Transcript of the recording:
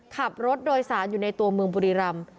ขับรถโดยสารอยู่ในตัวเมืองบุรีรำ